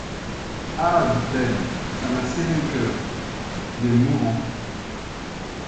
Ah! dit-elle, ça m’a serré le cœur... il est mourant...